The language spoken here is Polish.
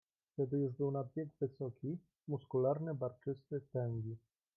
"Wtedy już był nad wiek wysoki, muskularny, barczysty, tęgi."